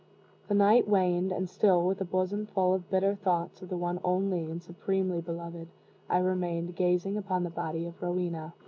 The night waned; and still, with a bosom full of bitter thoughts of the one only and supremely beloved, I remained gazing upon the body of Rowena.